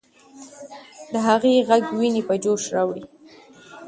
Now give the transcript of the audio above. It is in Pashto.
د هغې ږغ ويني په جوش راوړي.